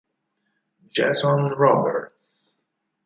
Jason Roberts